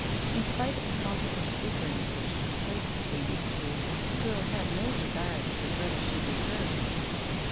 In spite of the constant bickerings which took place between these two, the girl had no desire that her brother should be hurt.